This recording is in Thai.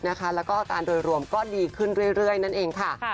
แล้วก็อาการโดยรวมก็ดีขึ้นเรื่อยนั่นเองค่ะ